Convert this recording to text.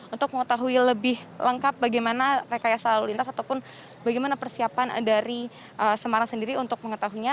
untuk mengetahui lebih lengkap bagaimana rekayasa lalu lintas ataupun bagaimana persiapan dari semarang sendiri untuk mengetahuinya